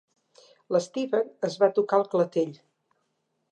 L'Steven es va tocar el clatell.